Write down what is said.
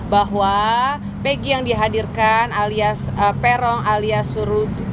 bahwa megi yang dihadirkan alias peron alias suruh